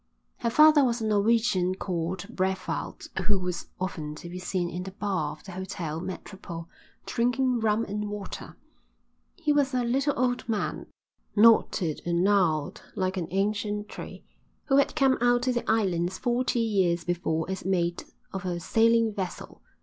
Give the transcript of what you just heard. Her father was a Norwegian called Brevald who was often to be seen in the bar of the Hotel Metropole drinking rum and water. He was a little old man, knotted and gnarled like an ancient tree, who had come out to the islands forty years before as mate of a sailing vessel.